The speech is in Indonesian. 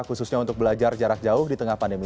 khususnya untuk belajar jarak jauh di tengah pandemi